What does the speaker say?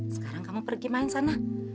sekarang kamu pergi main sana